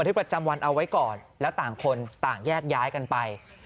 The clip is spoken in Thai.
ที่ประจำวันเอาไว้ก่อนแล้วต่างคนต่างแยกย้ายกันไป